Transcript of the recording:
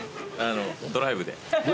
ドライブで。